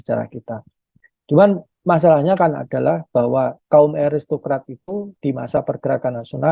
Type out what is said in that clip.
sejarah kita cuman masalahnya kan adalah bahwa kaum eris tokrat itu di masa pergerakan nasional